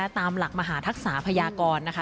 ตามหลักมหาทักษะพยากรนะคะ